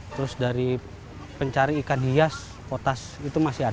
terus dari pencari ikan hias potas itu merusak